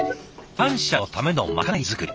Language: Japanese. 感謝のためのまかない作り。